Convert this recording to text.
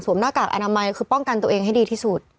หน้ากากอนามัยคือป้องกันตัวเองให้ดีที่สุด